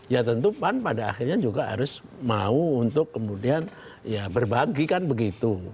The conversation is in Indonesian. ya tentu pan pada akhirnya juga harus mau untuk kemudian ya berbagi kan begitu